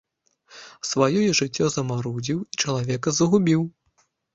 Сваё я жыццё замарудзіў і чалавека загубіў.